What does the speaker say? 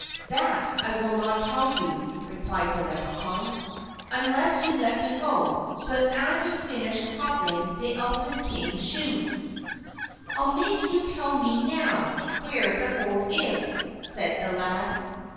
"That I will not tell you," replied the Leprechaun, "unless you let me go, so that I may finish cobbling the Elfin King's shoes." "I'll make you tell me now where the gold is!" said the lad.